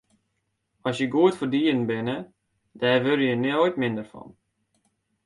As je goed foar dieren binne, dêr wurde je noait minder fan.